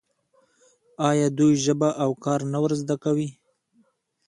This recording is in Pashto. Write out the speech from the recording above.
آیا دوی ژبه او کار نه ور زده کوي؟